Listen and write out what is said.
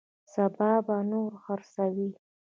سبا به نور خرڅوي.